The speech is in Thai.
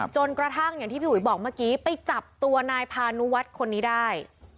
จนกระทั่งอย่างที่พี่อุ๋ยบอกเมื่อกี้ไปจับตัวนายพานุวัฒน์คนนี้ได้